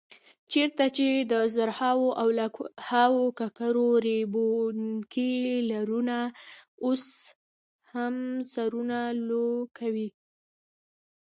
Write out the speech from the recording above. چېرته چې د زرهاو او لکهاوو ککرو ریبونکي لرونه اوس هم سرونه لو کوي.